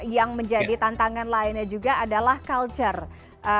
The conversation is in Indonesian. yang menjadi tantangan lainnya juga adalah culture